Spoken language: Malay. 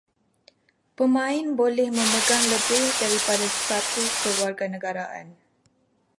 Pemain boleh memegang lebih daripada satu kewarganegaraan